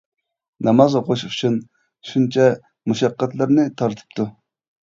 ناماز ئوقۇش ئۈچۈن شۇنچە مۇشەققەتلەرنى تارتىپتۇ.